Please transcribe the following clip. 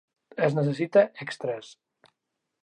Es necessita extres.